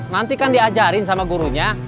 nanti kan diajarin sama gurunya